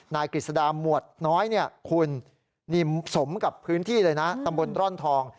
นายกฤษดาหมวดน้อยเนี่ยคุณสมกับพื้นที่เลยนะตำบลร่อนทอง